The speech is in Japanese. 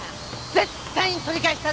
絶対に取り返したる！